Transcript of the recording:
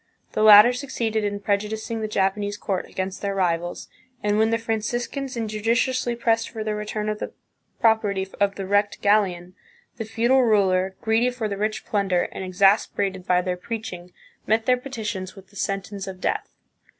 The latter succeeded in prejudicing the Japanese court against their rivals, and when the Franciscans injudiciously pressed for the return of the property of the wrecked galleon, the feudal ruler, greedy for the rich plunder, and exasperated by their preaching, met their petitions with the sentence of death.